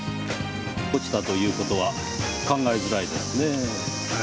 落ちたということは考えづらいですね。